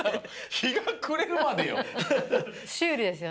ひがくれるまでよ。